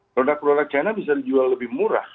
produk produk china bisa dijual lebih murah